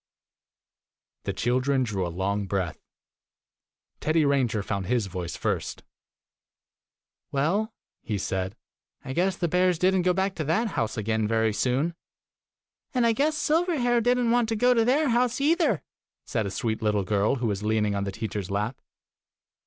The children drew a long breath. Teddy Ranger found his voice first. "Well," he said, " I guess the bears did n't go back to that house again very soon !" "And I guess Silverhair did n't want to go to their house either !" said a sweet little girl who was leaning on the teacher's lap.